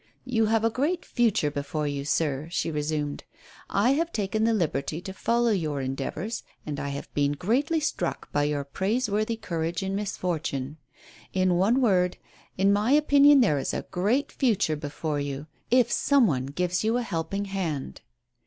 "You have a great future before you, sir," she resumed. "I have taken the liberty to follow your endeavors, and I have been greatly struck by your praiseworthy cour age in misfortune. In one word, in my opinion there is a great future before you, if some one gives you a help ing hand."